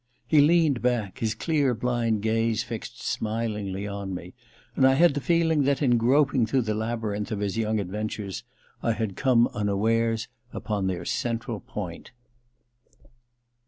He leaned back, his dear blind gaze fixed smilingly on me, and I had the feeling that, in groping through the labyrinth of his young adventures, I had come unawares upon their central point.